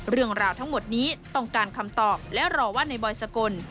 เรื่องราวทั้งหมดนี้ต้องการคำตอบและรอว่าในบอยสกล